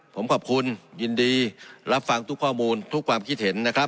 ผมข้อบคุณยินดีรับฟังคิดเห็นทุกข้อมูล